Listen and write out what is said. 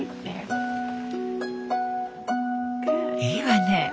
いいわね。